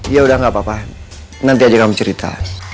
yaudah gak apa apa nanti aja kamu cerita